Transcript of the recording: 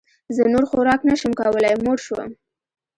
زه نور خوراک نه شم کولی موړ شوم